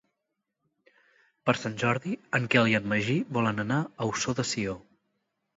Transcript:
Per Sant Jordi en Quel i en Magí volen anar a Ossó de Sió.